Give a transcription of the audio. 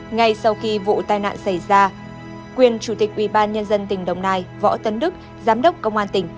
ngay sau khi vụ tai nạn xảy ra quyền chủ tịch ubnd tỉnh đồng nai võ tấn đức giám đốc công an tỉnh